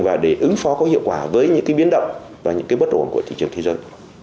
và để ứng phó có hiệu quả với những biến động và những bất ổn của thị trường thế giới